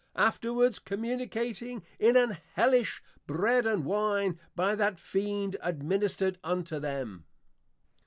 _ afterwards communicating in an Hellish Bread and Wine, by that Fiend administred unto them.